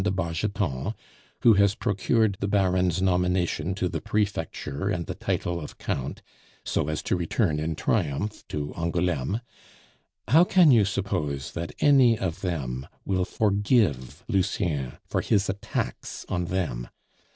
de Bargeton who has procured the Baron's nomination to the prefecture and the title of Count, so as to return in triumph to Angouleme how can you suppose that any of them will forgive Lucien for his attacks on them?